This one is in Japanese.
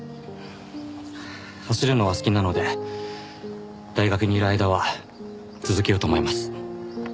走るのは好きなので大学にいる間は続けようと思います。